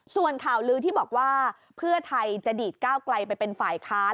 ส่วนข่าวลือที่บอกว่าเพื่อไทยจะดีดก้าวไกลไปเป็นฝ่ายค้าน